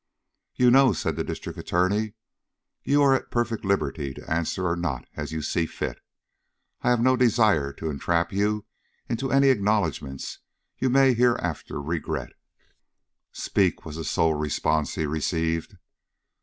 "You know," said the District Attorney, "you are at perfect liberty to answer or not, as you see fit. I have no desire to entrap you into any acknowledgments you may hereafter regret." "Speak," was the sole response he received.